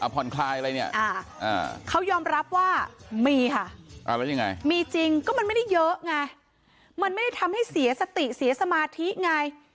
ผ่อนคลายอะไรเนี่ยเขายอมรับว่ามีค่ะแล้วยังไงมีจริงก็มันไม่ได้เยอะไงมันไม่ได้ทำให้เสียสติเสียสมาธิไง